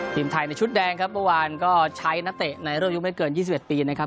ทีมไทยในชุดแดงครับเมื่อวานก็ใช้นักเตะในรุ่นอายุไม่เกิน๒๑ปีนะครับ